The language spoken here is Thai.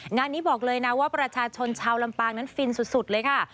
งานนี้บอกเลยนะว่าประชาชนชาวลำปางนั้นฟินสุดเลยค่ะ